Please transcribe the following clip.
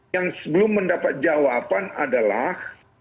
yang saya ingin mengatakan adalah